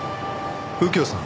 右京さん